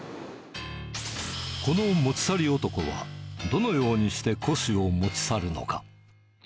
この持ち去り男は、どのようにして古紙を持ち去るのか。